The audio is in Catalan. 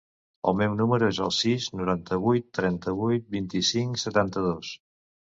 El meu número es el sis, noranta-vuit, trenta-vuit, vint-i-cinc, setanta-dos.